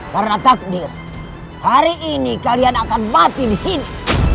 karena takdir hari ini kalian akan mati di sini